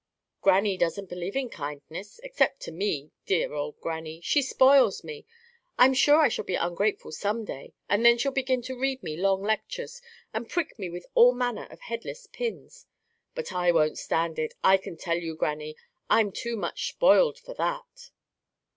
"Grannie doesn't believe in kindness, except to me—dear old grannie! She spoils me. I'm sure I shall be ungrateful some day; and then she'll begin to read me long lectures, and prick me with all manner of headless pins. But I won't stand it, I can tell you, grannie! I'm too much spoiled for that."